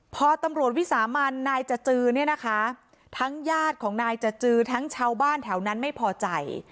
พอตำรวจวิสามันนายจจือเนี่ยนะคะทั้งญาติของนายจจือทั้งชาวบ้านแถวนั้นไม่พอใจ